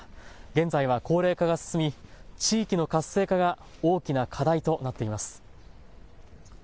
現在は高齢化が進み地域の活性化が大きな課題となっています。